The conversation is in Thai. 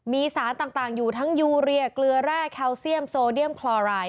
มีสารต่างอยู่ทั้งยูเรียเกลือแร่แคลเซียมโซเดียมคลอราย